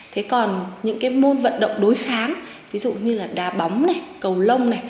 thế còn những môn vận động đối kháng ví dụ như là đá bóng cầu lông